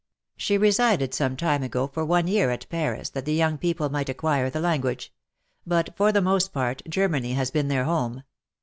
She re sided some time ago, for one year, at Paris, that the young people might acquire the language ; but for the most part, Germany has been their home.